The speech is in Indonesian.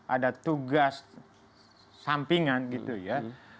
ada tugas sampingan gitu ya